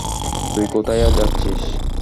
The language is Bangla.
তুই কোথায় যাচ্ছিস?